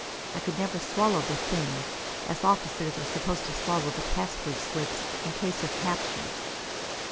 I could never swallow the thing, as officers are supposed to swallow the password slips in case of capture.